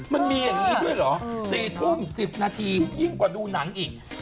มันมีอย่างนี้ด้วยเหรอ๔ทุ่ม๑๐นาทียิ่งกว่าดูหนังอีก